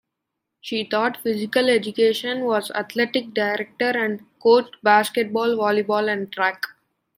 She taught physical education, was athletic director and coached basketball, volleyball and track.